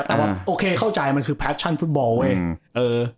แต่ว่าโอเคเข้าใจมันคือแฟชั่นฟุตบอลเว้ย